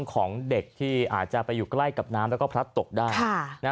ของเด็กที่อาจจะไปอยู่ใกล้กับน้ำแล้วก็พลัดตกได้